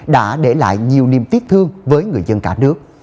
đã để lại nhiều niềm tiếc thương với người dân cả nước